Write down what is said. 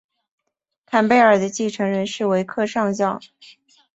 坎贝尔的继承人是维克上校。